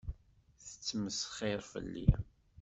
Tettmesxiṛ fell-i.